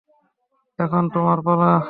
এখন তোমার পালা।